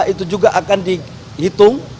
itu juga akan dihitung